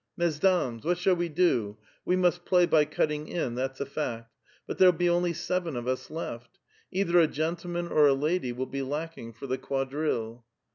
'' Mesdames, what shall we do ? We must play by cutting, in, that's a fact ; but there'll be only seven of us left. Either a gentleman or a lady will be lacking for the quadrille."